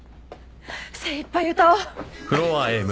精いっぱい歌おう！